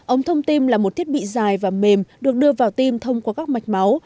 ống thông tin là một thiết bị dài và mềm được đưa vào tim thông qua các mạch máu